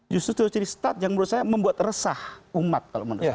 justru ciri ciri start yang menurut saya membuat resah umat kalau menurut saya